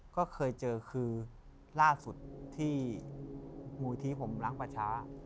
ก็เคยเจอคือล่าสุดที่มูลลิธิผมรักปลาชา